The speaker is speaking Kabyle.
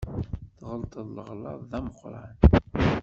Tɣelṭeḍ leɣlaḍ d ameqqran.